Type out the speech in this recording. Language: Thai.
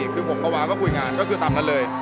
คือผมภาวะก็คุยงานก็คือตามนั้นเลย